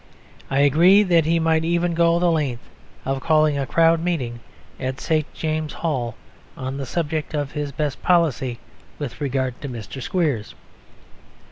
I agree that he might even go the length of calling a crowded meeting in St. James's Hall on the subject of the best policy with regard to Mr. Squeers.